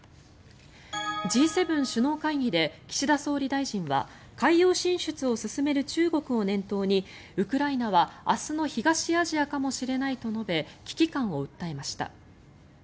Ｇ７首脳会議で岸田総理大臣は海洋進出を進める中国を念頭にウクライナは明日の東アジアかもしれないと述べ危機感を訴えました。